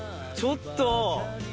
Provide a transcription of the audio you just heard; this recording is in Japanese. ちょっと！